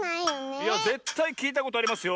いやぜったいきいたことありますよ。